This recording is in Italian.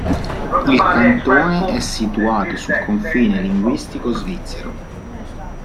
Il cantone è situato sul confine linguistico svizzero.